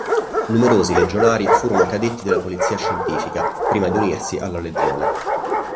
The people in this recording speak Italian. Numerosi Legionari furono cadetti della Polizia Scientifica prima di unirsi alla Legione.